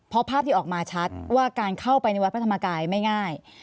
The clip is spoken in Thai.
เพราะภาพที่ออกมาชัดว่าการเข้าไปในวัดพระธรรมกายไม่ง่าย